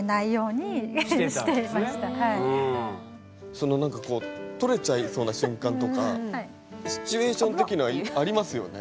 その何かこう取れちゃいそうな瞬間とかシチュエーション的にはありますよね？